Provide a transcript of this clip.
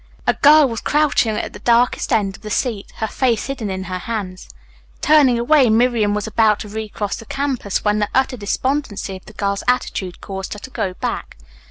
A girl was crouching at the darkest end of the seat, her face hidden in her hands. Turning away, Miriam was about to recross the campus when the utter despondency of the girl's attitude caused her to go back.